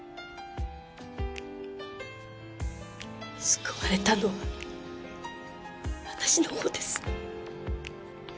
救われたのは私の方です。